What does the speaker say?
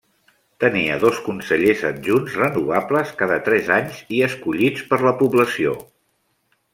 Tenia dos consellers adjunts renovables cada tres anys i escollits per la població.